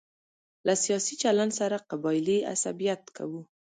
له سیاسي چلن سره قبایلي عصبیت کوو.